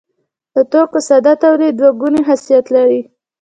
د توکو ساده تولید دوه ګونی خاصیت لري.